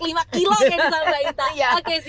terima kasih banyak